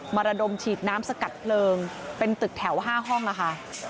ระดมฉีดน้ำสกัดเพลิงเป็นตึกแถว๕ห้องนะคะ